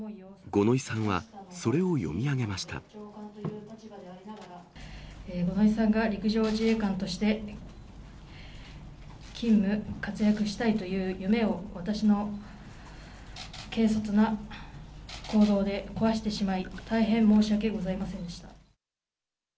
五ノ井さんが陸上自衛官として勤務、活躍したいという夢を、私の軽率な行動で壊してしまい、大変申し訳ございませんでした。